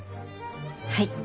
はい。